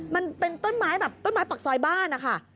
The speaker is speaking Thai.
มันเป็นต้นไม้ปักซอยบ้านค่ะ